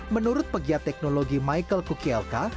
menurut pegiat teknologi michael cookielka